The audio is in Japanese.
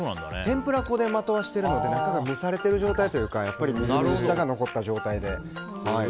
天ぷら粉をまとわせてるので中が蒸されてる状態でみずみずしさが残った状態で。